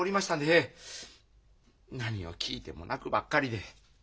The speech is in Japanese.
何を聞いても泣くばっかりで。